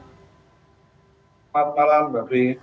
selamat malam mbak pri